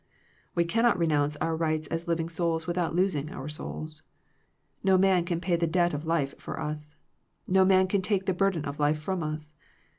We cannot renounce our rights as living souls without losing our souls. No man can pay the debt of life for us. No man can take the burden of life from us.